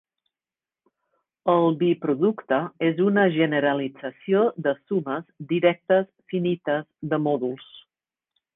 El biproducte és una generalització de sumes directes finites de mòduls.